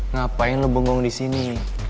ngapain lo bengong di sini